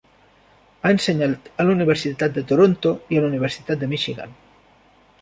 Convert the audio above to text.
Ha ensenyat a la Universitat de Toronto i la Universitat de Michigan.